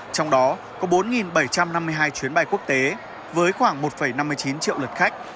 trong đó có bốn bảy trăm năm mươi hai chuyến bay quốc tế với khoảng một năm mươi chín triệu lượt khách